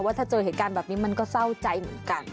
ถ้าเจอเหตุการณ์แบบนี้มันก็เศร้าใจเหมือนกัน